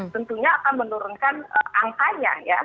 tentunya akan menurunkan angkanya ya